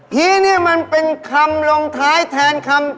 พี่นี่มันเป็นคำลงท้ายแทนคำ